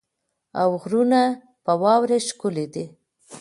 او غرونه په واوره ښکلې دي.